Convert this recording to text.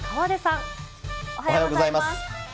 おはようございます。